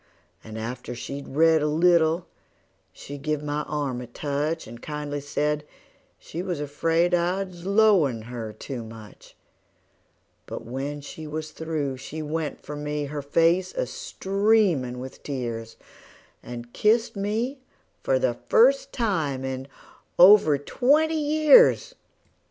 And after she'd read a little she give my arm a touch, And kindly said she was afraid I was 'lowin' her too much; But when she was through she went for me, her face a streamin' with tears, And kissed me for the first time in over twenty years!